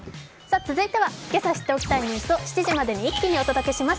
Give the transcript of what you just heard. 続いてはけさ知っておきたいニュースを７時までに一気にお届けします。